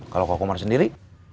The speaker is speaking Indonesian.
kalau kak kumar sendiri